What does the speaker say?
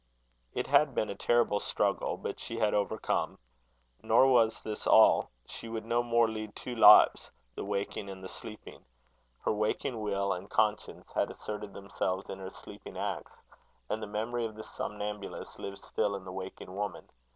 It had been a terrible struggle, but she had overcome. Nor was this all: she would no more lead two lives, the waking and the sleeping. Her waking will and conscience had asserted themselves in her sleeping acts; and the memory of the somnambulist lived still in the waking woman.